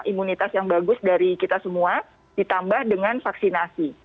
imunitas yang bagus dari kita semua ditambah dengan vaksinasi